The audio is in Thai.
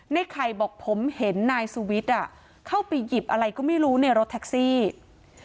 นายไข่บอกผมให้นายสุวิ๊ดอ่ะเข้าไปยิบอะไรก็ไม่รู้ในรถแท็กซี่แล้ว